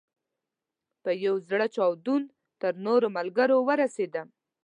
په یو زړه چاودون تر نورو ملګرو ورسېدم.